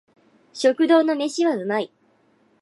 食堂の飯は美味い